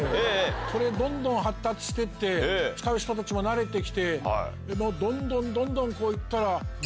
これどんどん発達してって使う人たちも慣れて来てどんどんどんどん行ったら。